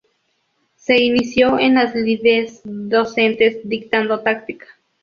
Se inició en las lides docentes dictando Táctica.